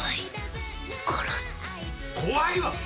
怖いわ！